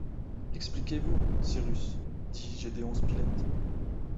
Expliquez-vous, Cyrus! dit Gédéon Spilett.